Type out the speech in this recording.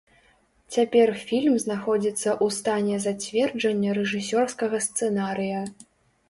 Цяпер фільм знаходзіцца ў стане зацверджання рэжысёрскага сцэнарыя.